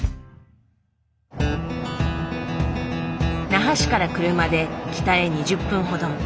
那覇市から車で北へ２０分ほど。